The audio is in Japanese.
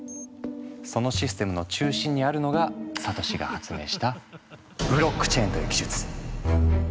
そのシステムの中心にあるのがサトシが発明した「ブロックチェーン」という技術。